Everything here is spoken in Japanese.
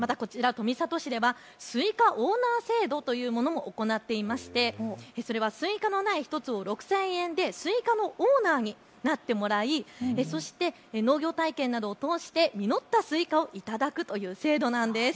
富里市ではスイカオーナー制度というものも行っていまして、それはスイカの苗１つ６０００円でスイカのオーナーになってもらい農業体験などを通して実ったスイカを頂くという制度なんです。